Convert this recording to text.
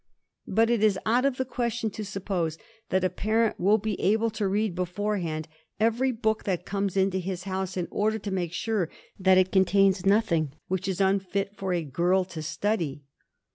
But it is out of the question to suppose that a parent will be able to read beforehand every book that comes into his house in order to make sure that it contains nothing which is unfit for a girl to study.